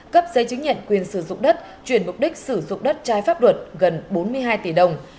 cấp giấy chứng nhận quyền sử dụng đất chuyển mục đích sử dụng đất trái pháp luật gần bốn mươi hai tỷ đồng